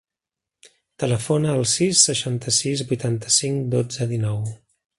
Telefona al sis, seixanta-sis, vuitanta-cinc, dotze, dinou.